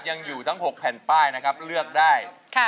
ยังอยู่ทั้ง๖แผ่นป้ายนะครับเลือกได้